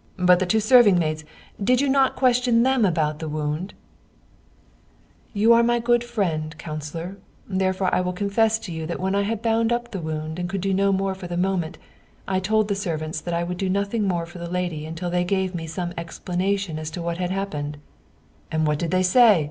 " But the two serving maids did you not question them about the wound ?" "You are my good friend, councilor; therefore I will confess to you that when I had bound up the wound and could do no more for the moment, I told the servants that I would do nothing more for the lady until they gave me some explanation as to what had happened." " And what did they say